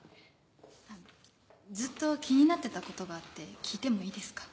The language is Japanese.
ずっと気になってたことがあって聞いてもいいですか？